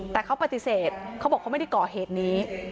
แต่เขาปฏิเสธเขาบอกเขาไม่ได้ก่อเหตุนี้